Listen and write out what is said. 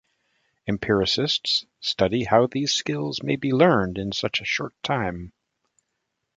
Empiricists study how these skills may be learned in such a short time.